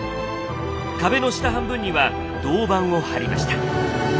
壁の下半分には銅板を張りました。